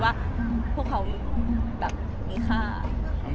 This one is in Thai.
แม็กซ์ก็คือหนักที่สุดในชีวิตเลยจริง